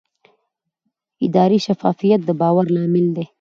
اداري شفافیت د باور لامل دی